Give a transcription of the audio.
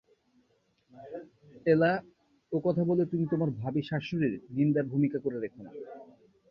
এলা, ও-কথা বলে তুমি তোমার ভাবী শাশুড়ীর নিন্দার ভূমিকা করে রেখো না।